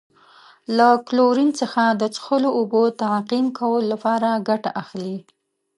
له کلورین څخه د څښلو اوبو تعقیم کولو لپاره ګټه اخلي.